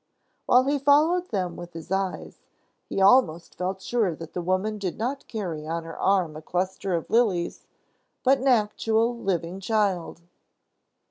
While he followed them with his eyes, he almost felt sure that the woman did not carry on her arm a cluster of lilies, but an actual, living child.